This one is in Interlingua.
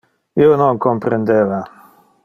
Io non comprendeva.